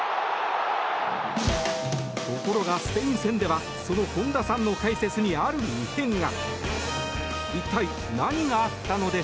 ところが、スペイン戦ではその本田さんの解説にある異変が。